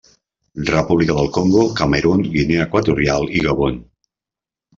República del Congo, Camerun, Guinea Equatorial i Gabon.